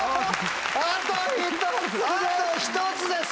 あと１つです！